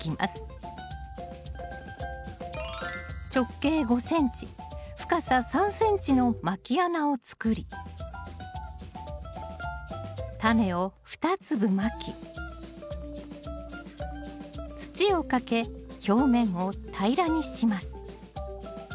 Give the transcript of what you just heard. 直径５ｃｍ深さ３ｃｍのまき穴を作りタネを２粒まき土をかけ表面を平らにします。